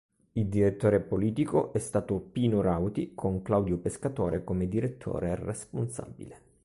Il Direttore politico è stato Pino Rauti con Claudio Pescatore come direttore responsabile.